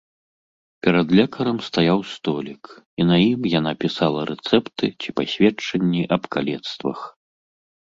Перад лекарам стаяў столік, і на ім яна пісала рэцэпты ці пасведчанні аб калецтвах.